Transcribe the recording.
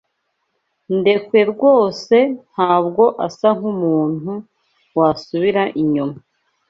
Ndekwe rwose ntabwo asa nkumuntu wasubira inyuma.